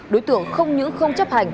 đối tượng không những không chấp hành